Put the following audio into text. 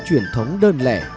truyền thống đơn lẻ